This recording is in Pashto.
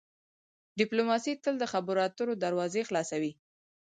ډیپلوماسي تل د خبرو اترو دروازې خلاصوي.